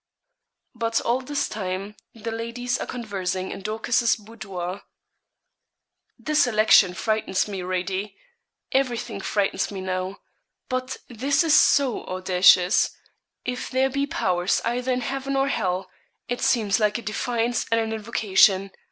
But all this time the ladies are conversing in Dorcas's boudoir. 'This election frightens me, Radie everything frightens me now but this is so audacious. If there be powers either in heaven or hell, it seems like a defiance and an invocation.